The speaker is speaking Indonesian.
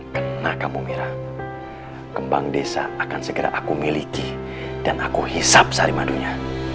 karena kamu mira kembang desa akan segera aku miliki dan aku hisap sari madunya